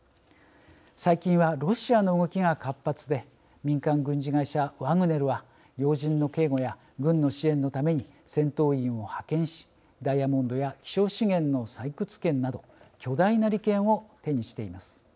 最近はロシアの動きが活発で民間軍事会社ワグネルは要人の警護や軍の支援のために戦闘員を派遣しダイヤモンドや希少資源の採掘権など巨大な利権を手にしています。